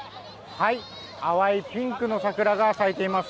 淡いピンクの桜が咲いています。